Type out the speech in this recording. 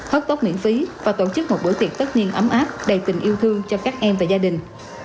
hớt tóc miễn phí và tổ chức một buổi tiệc tất nhiên ấm áp đầy tình yêu thương cho các em và gia đình